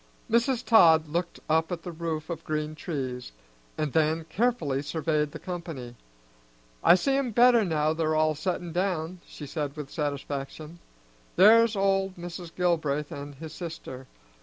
Mrs. Todd looked up at the roof of green trees, and then carefully surveyed the company. "I see 'em better now they're all settin' down," she said with satisfaction. "There's old Mr. Gilbraith and his sister.